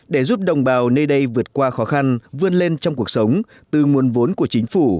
để giúp đồng bào nơi đây vượt qua khó khăn vươn lên trong cuộc sống từ nguồn vốn của chính phủ